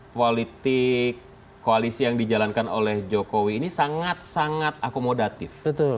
politik koalisi yang dijalankan oleh jokowi ini sangat sangat akomodatif